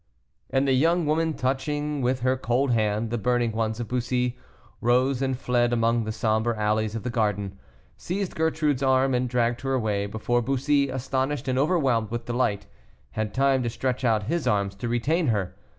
And the young woman, touching with her cold hand the burning ones of Bussy, rose and fled among the somber alleys of the garden, seized Gertrude's arm and dragged her away, before Bussy, astonished and overwhelmed with delight, had time to stretch out his arms to retain her.